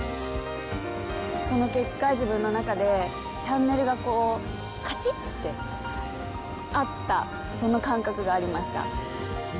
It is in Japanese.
その結果、自分の中でチャンネルがこう、かちってあった、そんな感覚がありました。